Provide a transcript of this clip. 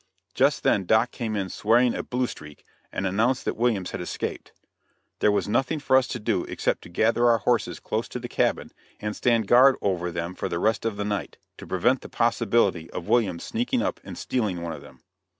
Just then Doc came in swearing "a blue streak," and announced that Williams had escaped. There was nothing for us to do except to gather our horses close to the cabin and stand guard over them for the rest of the night, to prevent the possibility of Williams sneaking up and stealing one of them.